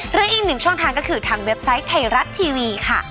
หรืออีกหนึ่งช่องทางก็คือทางเว็บไซต์ไทยรัฐทีวีค่ะ